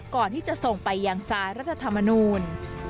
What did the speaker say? ก่อนที่จะส่งไปยังสารรัฐธรรมนูล